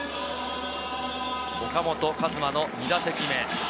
岡本和真の２打席目。